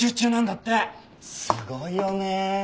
すごいよね。